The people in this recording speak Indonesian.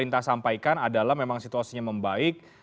yang saya minta sampaikan adalah memang situasinya membaik